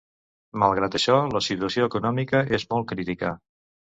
Malgrat això la situació econòmica és molt crítica.